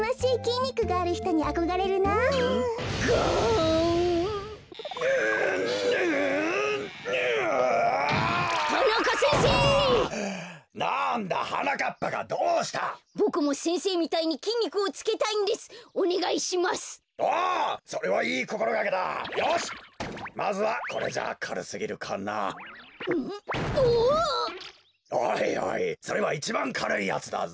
おいおいそれはいちばんかるいやつだぞ。